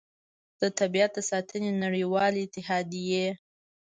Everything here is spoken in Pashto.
د طبیعت د ساتنې نړیوالې اتحادیې